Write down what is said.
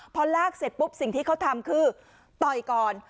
พอลากเสร็จปุ๊บสิ่งที่เขาทำคือต่อยก่อน